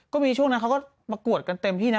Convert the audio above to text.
ก็มีช่วงนั้นเขาก็ประกวดกันเต็มที่นะ